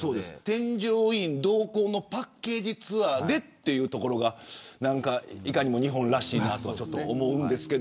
添乗員同行のパッケージツアーでというところが、いかにも日本らしいなと思います。